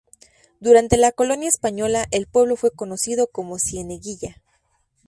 Durante la colonia española, el pueblo fue conocido como Cieneguilla.